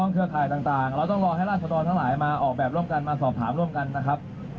คดีการเครื่องสมบูรณ์จะปากหลักอยู่ที่นี่หรอ